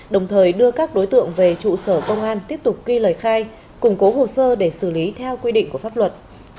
đồng thời đưa các đối tượng về trụ sở công an tiếp tục ghi lời khai củng cố hồ sơ để xử lý theo quy định của pháp luật